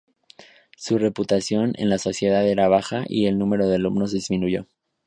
Su reputación en la sociedad era baja y el número de alumnos disminuyó.